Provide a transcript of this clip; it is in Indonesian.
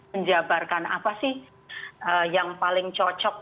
menjabarkan apa sih yang paling cocok